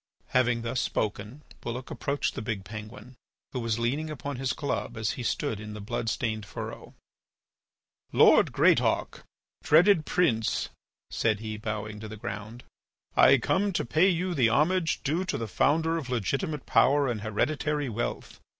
Having thus spoken, Bulloch approached the big penguin, who was leaning upon his club as he stood in the blood stained furrow: "Lord Greatauk, dreaded Prince," said he, bowing to the ground, "I come to pay you the homage due to the founder of legitimate power and hereditary wealth.